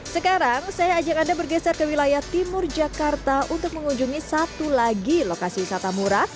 sekarang saya ajak anda bergeser ke wilayah timur jakarta untuk mengunjungi satu lagi lokasi wisata murah